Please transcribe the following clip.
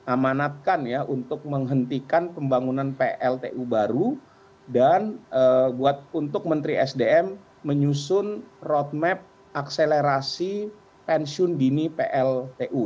amanatkan ya untuk menghentikan pembangunan pltu baru dan untuk menteri sdm menyusun roadmap akselerasi pensiun dini pltu